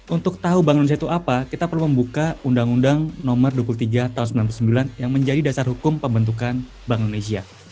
untuk tahu bank indonesia itu apa kita perlu membuka undang undang nomor dua puluh tiga tahun seribu sembilan ratus sembilan puluh sembilan yang menjadi dasar hukum pembentukan bank indonesia